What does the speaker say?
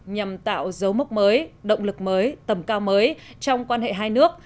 nhằm tạo dấu mốc mới động lực mới tầm cao mới trong quan hệ hai nước